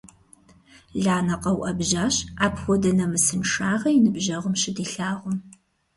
Ланэ къэуӀэбжьащ, апхуэдэ нэмысыншагъэ и ныбжьэгъум щыдилъагъум.